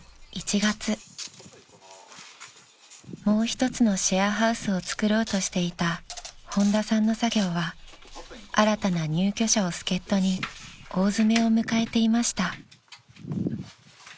［もう一つのシェアハウスをつくろうとしていた本多さんの作業は新たな入居者を助っ人に大詰めを迎えていました］